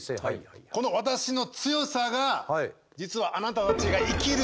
この私の強さが実はあなたたちが生きる